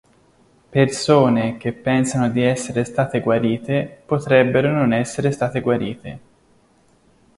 Persone che pensano di essere state guarite, potrebbero non essere state guarite.